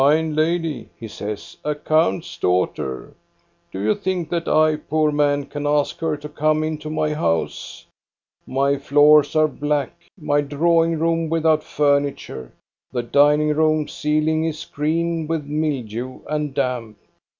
3l8 THE STORY OF GOSTA BERLING " A fine lady/' he says, " a count's daughter. Do you think that I, poor man, can ask her to come into my house? My floors are black, my drawing room without furniture, the dining room ceiling is green with mildew and damp.